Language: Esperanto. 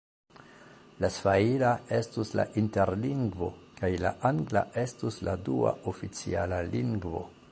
La svahila estus la interlingvo kaj la angla estus la dua oficiala lingvo.